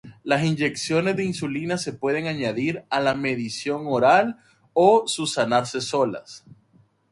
Las inyecciones de insulina se pueden añadir a la medicación oral o usarse solas.